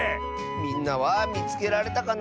みんなはみつけられたかな？